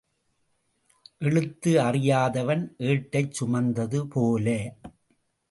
எழுத்து அறியாதவன் ஏட்டைச் சுமந்தது போல.